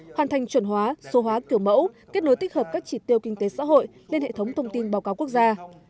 hoàn thành chuẩn hóa số hóa kiểu mẫu kết nối tích hợp các chỉ tiêu kinh tế xã hội lên hệ thống thông tin báo cáo quốc gia